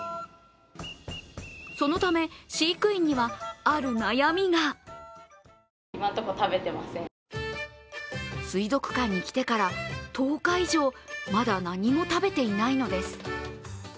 そのため、飼育員にはある悩みが水族館に来てから１０日以上まだ何も食べていないのです。